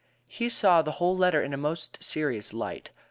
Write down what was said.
He saw the whole matter in a most serious light.